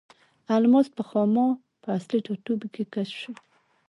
الماس په خاما په اصلي ټاټوبي کې کشف شو.